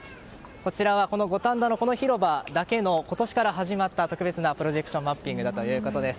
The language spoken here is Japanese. こちらは五反田の広場だけの今年から始まった特別なプロジェクションマッピングだということです。